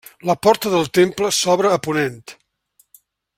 La porta del temple s'obre a ponent.